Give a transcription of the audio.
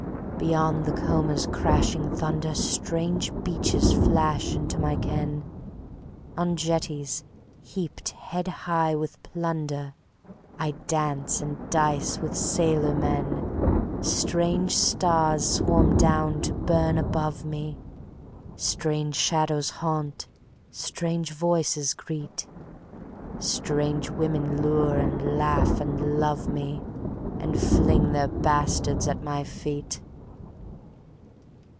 Beyond the comber's crashing thunder Strange beaches flash into my ken; On jetties heaped head high with plunder I dance and dice with sailor men. Strange stars swarm down to burn above me, Strange shadows haunt, strange voices greet; Strange women lure and laugh and love me, And fling their bastards at my feet.